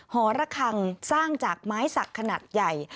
หอระคังสร้างจากไม้สักขนาดใหญ่